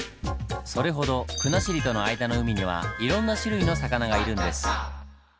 それほど国後との間の海にはいろんな種類の魚がいるんです。